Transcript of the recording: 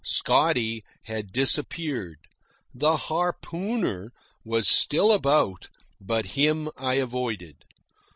Scotty had disappeared. The harpooner was still about, but him I avoided.